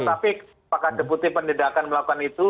pak kadebuti pendidikan melakukan itu